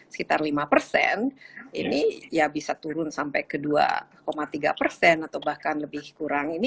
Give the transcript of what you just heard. sekitar lima persen ini ya bisa turun sampai ke dua tiga persen atau bahkan lebih kurang ini